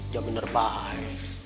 jangan bener bahaya